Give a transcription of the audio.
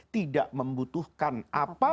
tidak membutuhkan apa apa